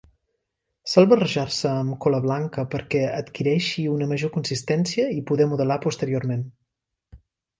Sol barrejar-se amb cola blanca perquè adquireixi una major consistència i poder modelar posteriorment.